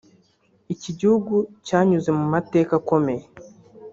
Iki gihugu cyanyuze mu mateka komeye